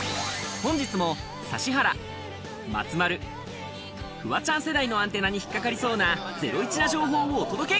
本日も指原、松丸、フワちゃん世代のアンテナに引っ掛かりそうなゼロイチな情報をお届け！